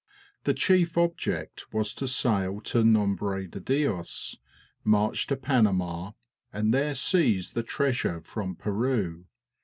The chief object was to sail to Nombre de Dios, march to Panama, and there seize the treasure from Peru.